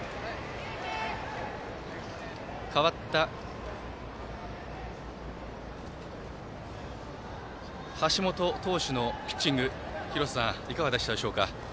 代わった橋本投手のピッチング廣瀬さん、いかがでしたか？